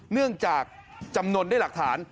เนื่องจากจำนวนด้วยหลักฐาน